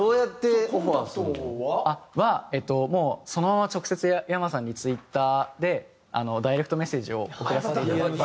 それはもうそのまま直接ｙａｍａさんにＴｗｉｔｔｅｒでダイレクトメッセージを送らせていただいて。